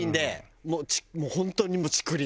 もう本当に竹林。